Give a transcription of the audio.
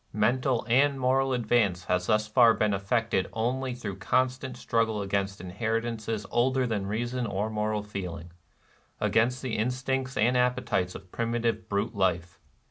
Mental and moral advance has thus far been effected only through constant struggle against inheritances older than reason or moral feeling, — against the instincts and the appetites of primitive brute life.